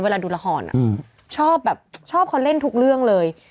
เวลาดูละครชอบแบบชอบเขาเล่นทุกเรื่องเลย